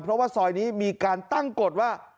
เพราะว่าซอยนี้มีการตั้งกฎว่า